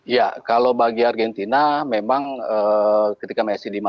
ya kalau bagi argentina memang ketika messi dimatikan mungkin kekuatannya akan sedikit lebih berat